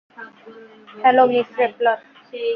Hello, miss রেপলার!